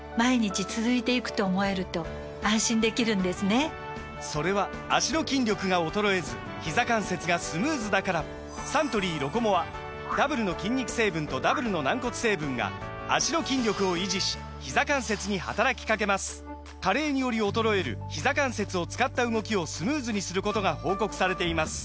サントリー「ロコモア」・それは脚の筋力が衰えずひざ関節がスムーズだからサントリー「ロコモア」ダブルの筋肉成分とダブルの軟骨成分が脚の筋力を維持しひざ関節に働きかけます加齢により衰えるひざ関節を使った動きをスムーズにすることが報告されています